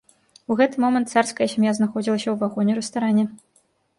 У гэты момант царская сям'я знаходзілася ў вагоне-рэстаране.